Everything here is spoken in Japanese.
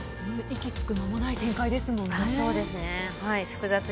行き着く間もない展開ですもんね。